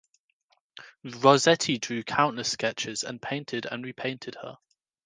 Rossetti drew countless sketches and painted and repainted her.